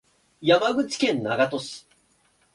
山口県長門市